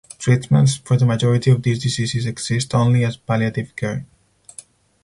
Treatments for the majority of these diseases exist only as palliative care.